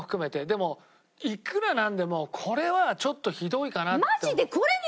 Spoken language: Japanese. でもいくらなんでもこれはちょっとひどいかな。